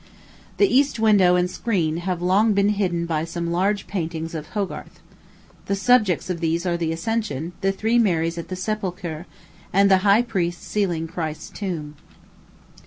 The east window and screen have long been hidden by some large paintings of Hogarth. The subjects of these are the Ascension, the Three Marys at the Sepulchre, and the High Priest sealing Christ's Tomb.